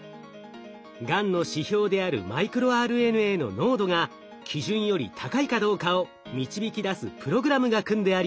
がんの指標であるマイクロＲＮＡの濃度が基準より高いかどうかを導き出すプログラムが組んであります。